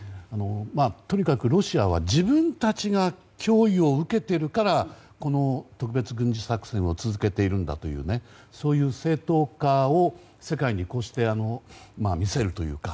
とにかくロシアは自分たちが脅威を受けているから特別軍事作戦を続けているんだという正当化を世界にこうして見せるというか。